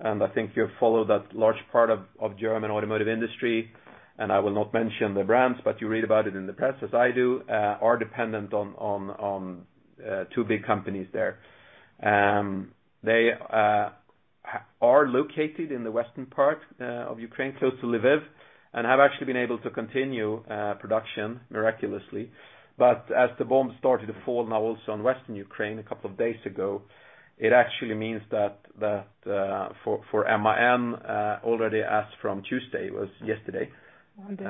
I think you follow that large part of the German automotive industry, and I will not mention the brands, but you read about it in the press as I do, are dependent on two big companies there. They are located in the western part of Ukraine, close to Lviv, and have actually been able to continue production miraculously. As the bombs started to fall now also on western Ukraine a couple of days ago, it actually means that for MAN, already as from Tuesday, it was yesterday- Monday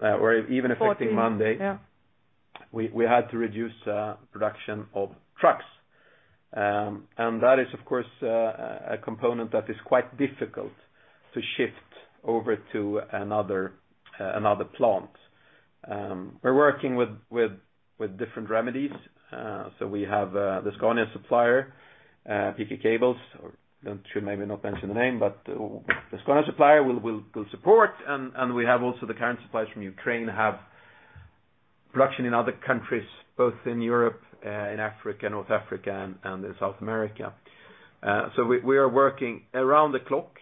or even affecting Monday. 14. Yeah. We had to reduce production of trucks. That is, of course, a component that is quite difficult to shift over to another plant. We're working with different remedies. We have the Scania supplier, PKC Group or should maybe not mention the name, but the Scania supplier will support. We have also the current suppliers from Ukraine have production in other countries, both in Europe, in Africa, North Africa and in South America. We are working around the clock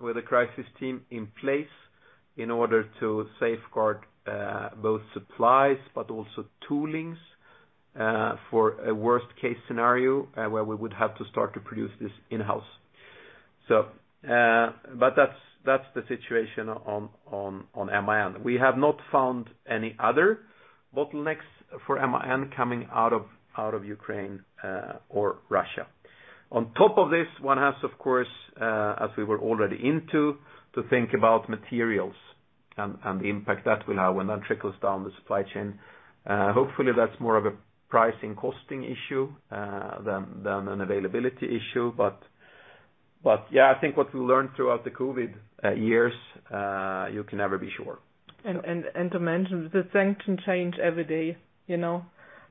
with a crisis team in place in order to safeguard both supplies but also toolings for a worst case scenario where we would have to start to produce this in-house. But that's the situation on MAN. We have not found any other bottlenecks for MAN coming out of Ukraine or Russia. On top of this, one has of course as we were already into to think about materials and the impact that will have when that trickles down the supply chain. Hopefully that's more of a pricing costing issue than an availability issue. Yeah, I think what we learned throughout the COVID years you can never be sure. And to mention the sanction change every day, you know.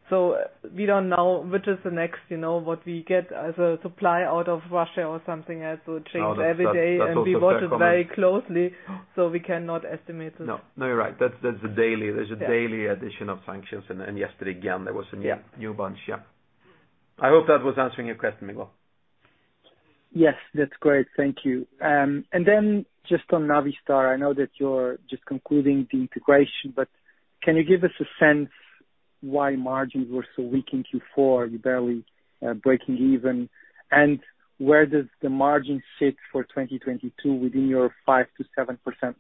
We don't know which is the next, you know, what we get as a supply out of Russia or something else will change every day. No, that's also- We watch it very closely, so we cannot estimate it. No, you're right. That's a daily. Yeah. There's a daily addition of sanctions. Yesterday, again, there was a new- Yeah. New bunch. Yeah. I hope that was answering your question, Miguel. Yes. That's great. Thank you. Then just on Navistar, I know that you're just concluding the integration, but can you give us a sense why margins were so weak in Q4, you barely breaking even? Where does the margin sit for 2022 within your 5%-7%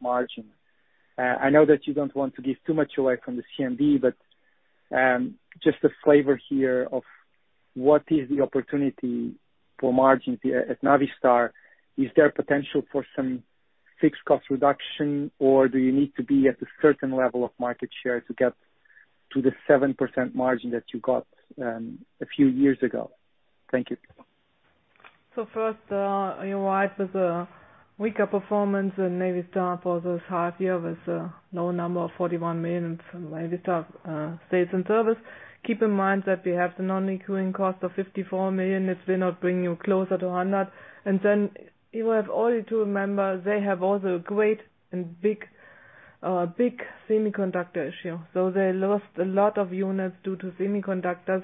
margin? I know that you don't want to give too much away from the CMD, but just a flavor here of what is the opportunity for margins here at Navistar. Is there potential for some fixed cost reduction, or do you need to be at a certain level of market share to get to the 7% margin that you got a few years ago? Thank you. First, you're right with the weaker performance in Navistar for this half year with low number of $41 million from Navistar stays in service. Keep in mind that we have the non-recurring cost of $54 million. It will not bring you closer to $100. Then you have also to remember they have also a great and big semiconductor issue. They lost a lot of units due to semiconductors,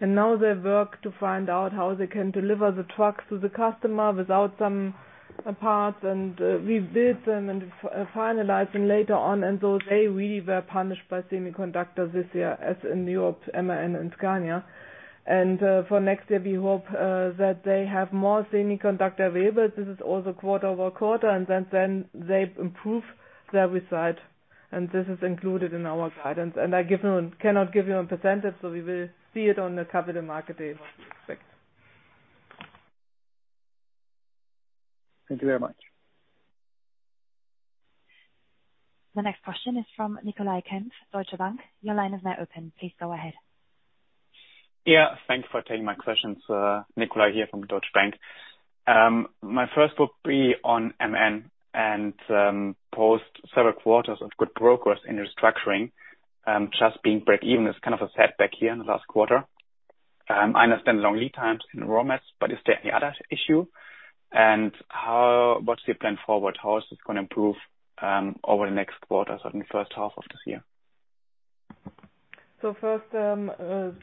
and now they work to find out how they can deliver the trucks to the customer without some parts and rebuild them and finalize them later on. They really were punished by semiconductors this year, as in Europe, MAN and Scania. For next year, we hope that they have more semiconductors available. This is also quarter-over-quarter, and then they improve their result. This is included in our guidance. I cannot give you a percentage, so we will see it on the Capital Market Day, what we expect. Thank you very much. The next question is from Nicolai Kempf, Deutsche Bank. Your line is now open. Please go ahead. Yeah, thank you for taking my questions. Nicolai Kempf here from Deutsche Bank. My first question will be on MAN and, post several quarters of good progress in restructuring, just being breakeven is kind of a setback here in the last quarter. I understand long lead times in raw materials, but is there any other issue? What's your plan forward? How is this gonna improve over the next quarters or in the first half of this year? First,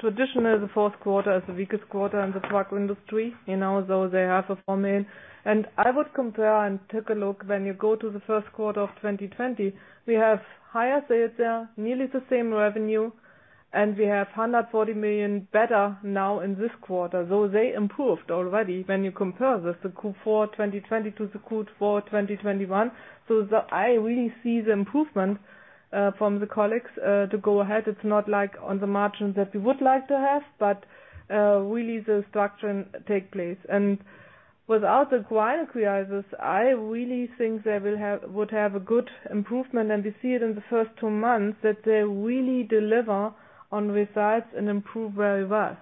traditionally, the fourth quarter is the weakest quarter in the truck industry, you know, though they have a full year. I would compare and take a look when you go to the first quarter of 2020, we have higher sales there, nearly the same revenue, and we have 140 million better now in this quarter, though they improved already when you compare the Q4 2020 to the Q4 2021. I really see the improvement from the colleagues to go ahead. It's not like on the margins that we would like to have, but really the restructuring takes place. Without the Ukraine crisis, I really think they would have a good improvement. We see it in the first two months that they really deliver on results and improve very well.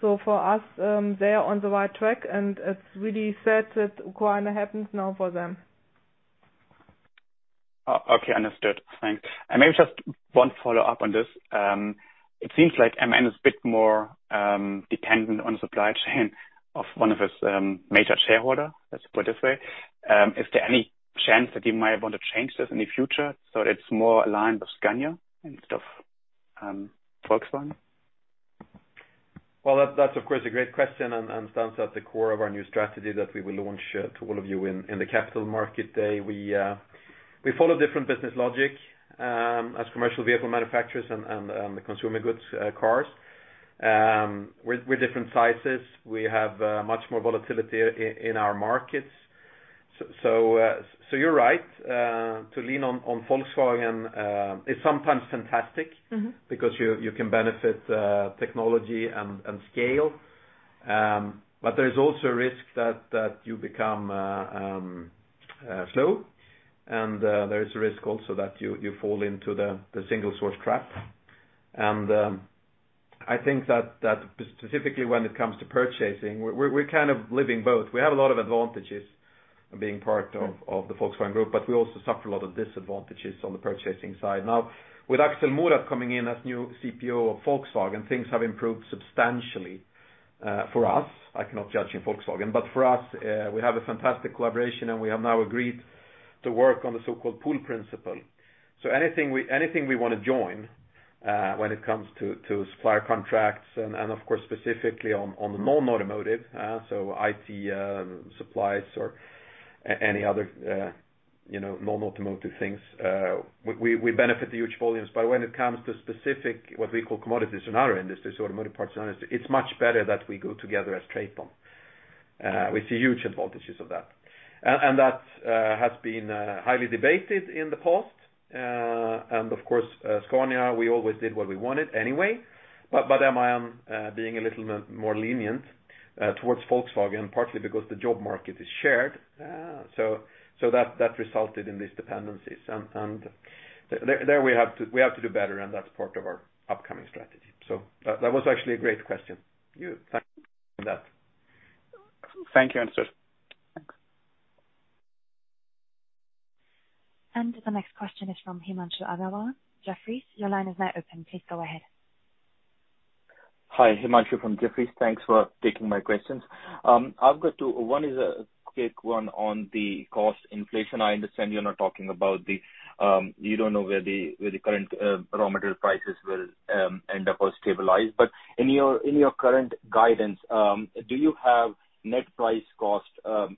For us, they are on the right track, and it's really sad that Ukraine happens now for them. Okay, understood. Thanks. Maybe just one follow-up on this. It seems like MAN is a bit more dependent on supply chain of one of its major shareholder. Let's put it this way. Is there any chance that you might want to change this in the future so it's more aligned with Scania instead of Volkswagen? Well, that's of course a great question and stands at the core of our new strategy that we will launch to all of you in the Capital Markets Day. We follow different business logic as commercial vehicle manufacturers and the consumer goods cars. We're different sizes. We have much more volatility in our markets. You're right to lean on Volkswagen is sometimes fantastic. Mm-hmm. Because you can benefit technology and scale. There is also a risk that you become slow. There is a risk also that you fall into the single source trap. I think that specifically when it comes to purchasing, we're kind of living both. We have a lot of advantages being part of- Mm. Of the Volkswagen Group, but we also suffer a lot of disadvantages on the purchasing side. Now, with Murat Aksel coming in as new CPO of Volkswagen, things have improved substantially for us. I cannot judge in Volkswagen. For us, we have a fantastic collaboration, and we have now agreed to work on the so-called pool principle. Anything we wanna join, when it comes to supplier contracts and of course specifically on the non-automotive, so IT supplies or any other, you know, non-automotive things, we benefit the huge volumes. When it comes to specific, what we call commodities in our industry, so automotive parts industry, it's much better that we go together as Traton. We see huge advantages of that. That has been highly debated in the past. Of course, as Scania, we always did what we wanted anyway. MAN, being a little more lenient towards Volkswagen, partly because the job market is shared, that resulted in these dependencies. There we have to do better, and that's part of our upcoming strategy. That was actually a great question. Thank you for that. Thank you. Answered. Thanks. The next question is from Himanshu Agarwal, Jefferies. Your line is now open. Please go ahead. Hi. Himanshu Agarwal from Jefferies. Thanks for taking my questions. I've got two. One is a quick one on the cost inflation. I understand you're not talking about the you don't know where the where the current raw material prices will end up or stabilize. In your current guidance, do you have net price cost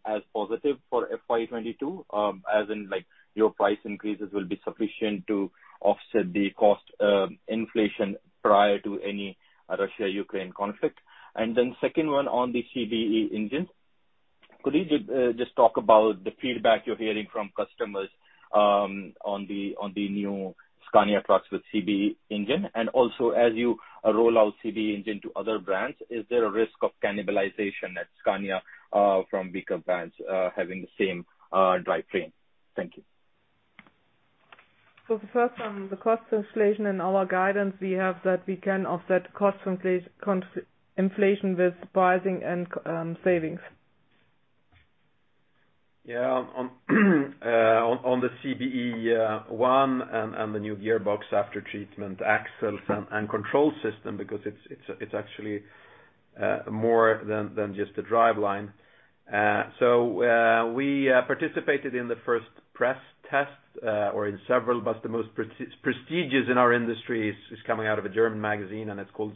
as positive for FY 2022? As in, like, your price increases will be sufficient to offset the cost inflation prior to any Russia-Ukraine conflict. Second one on the CBE engine. Could you just talk about the feedback you're hearing from customers on the new Scania trucks with CBE engine? Also, as you roll out CBE engine to other brands, is there a risk of cannibalization at Scania from bigger brands having the same drivetrain? Thank you. The first one, the cost inflation in our guidance, we have that we can offset cost inflation with pricing and savings. On the CBE one and the new gearbox aftertreatment axles and control system, because it's actually more than just the driveline. We participated in the first press test or in several, but the most prestigious in our industry is coming out of a German magazine, and it's called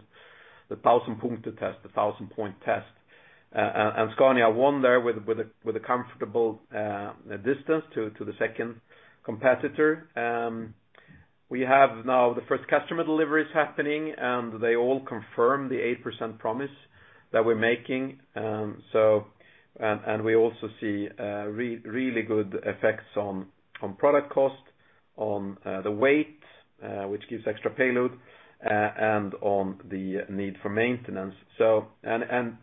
the Thousand Point Test. Scania won there with a comfortable distance to the second competitor. We have now the first customer deliveries happening, and they all confirm the 8% promise that we're making. We also see really good effects on product cost, on the weight, which gives extra payload, and on the need for maintenance.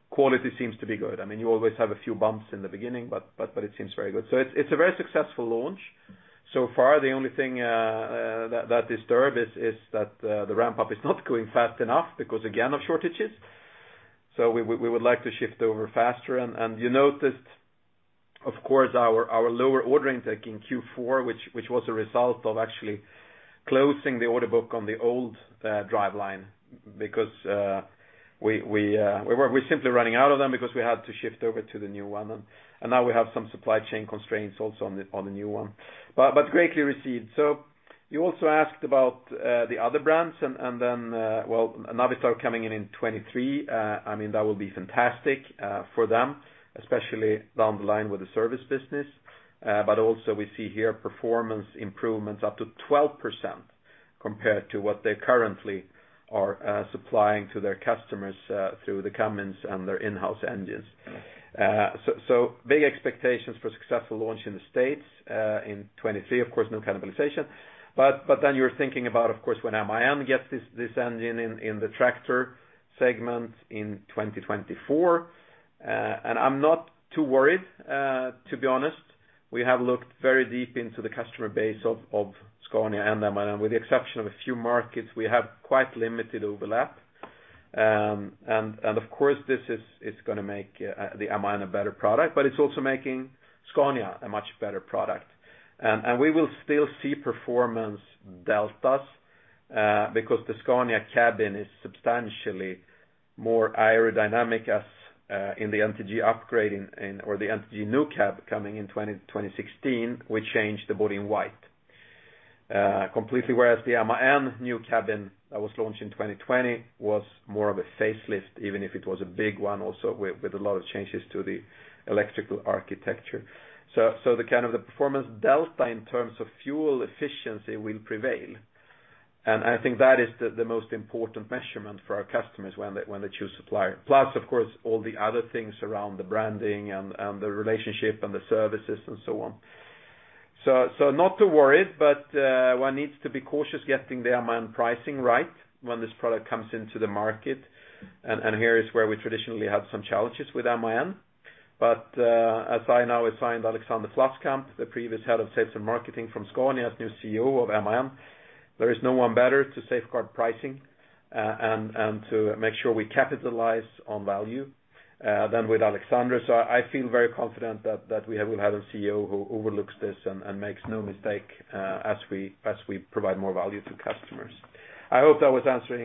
Quality seems to be good. I mean, you always have a few bumps in the beginning, but it seems very good. It's a very successful launch. So far, the only thing that disturbs is that the ramp-up is not going fast enough because, again, of shortages. We would like to shift over faster. You noticed, of course, our lower order intake in Q4, which was a result of actually closing the order book on the old driveline because we're simply running out of them because we had to shift over to the new one. Now we have some supply chain constraints also on the new one. Greatly received. You also asked about the other brands and then well Navistar coming in in 2023. I mean, that will be fantastic for them, especially down the line with the service business. Also we see here performance improvements up to 12% compared to what they currently are supplying to their customers through the Cummins and their in-house engines. So big expectations for successful launch in the States in 2023. Of course, no cannibalization. Then you're thinking about, of course, when MAN gets this engine in the tractor segment in 2024. I'm not too worried, to be honest. We have looked very deep into the customer base of Scania and MAN. With the exception of a few markets, we have quite limited overlap. Of course, this is, it's gonna make the MAN a better product, but it's also making Scania a much better product. We will still see performance deltas because the Scania cabin is substantially more aerodynamic as in the NTG upgrade or the NTG new cab coming in 2016, we changed the Body in White completely, whereas the MAN new cabin that was launched in 2020 was more of a facelift, even if it was a big one also with a lot of changes to the electrical architecture. The kind of the performance delta in terms of fuel efficiency will prevail. I think that is the most important measurement for our customers when they choose supplier. Plus, of course, all the other things around the branding and the relationship and the services and so on. Not too worried, but one needs to be cautious getting the MAN pricing right when this product comes into the market. Here is where we traditionally have some challenges with MAN. As I now assigned Alexander Vlaskamp, the previous head of sales and marketing from Scania, as new CEO of MAN, there is no one better to safeguard pricing and to make sure we capitalize on value than with Alexander. I feel very confident that we will have a CEO who oversees this and makes no mistake as we provide more value to customers. I hope that answers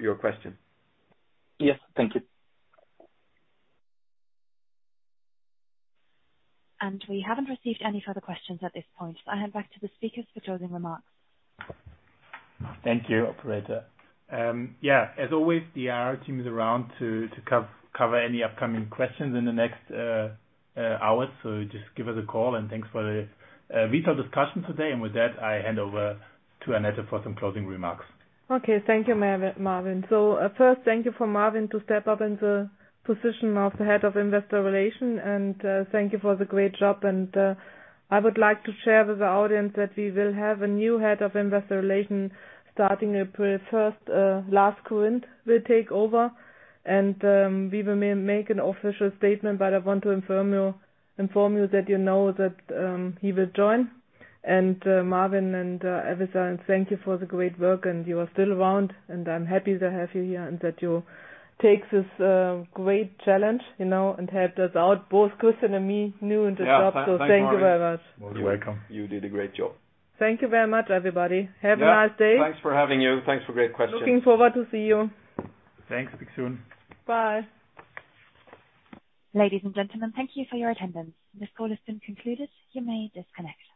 your question, Himanshu. Yes. Thank you. We haven't received any further questions at this point. I hand back to the speakers for closing remarks. Thank you, operator. Yeah, as always, the IR team is around to cover any upcoming questions in the next hours. Just give us a call and thanks for the vital discussion today. With that, I hand over to Annette for some closing remarks. Okay. Thank you, Marvin. First, thank you for Marvin to step up in the position of the head of investor relations, and thank you for the great job. I would like to share with the audience that we will have a new head of investor relations starting April 1st. Lars Korinth will take over, and we will make an official statement, but I want to inform you that you know that he will join. Marvin and Avisa, thank you for the great work, and you are still around, and I'm happy to have you here and that you take this great challenge, you know, and helped us out, both Christian and me, new in the job. Yeah. Thanks, Marvin. Thank you very much. You're welcome. You did a great job. Thank you very much, everybody. Have a nice day. Yeah. Thanks for having you. Thanks for great questions. Looking forward to see you. Thanks. Speak soon. Bye. Ladies and gentlemen, thank you for your attendance. This call has been concluded. You may disconnect.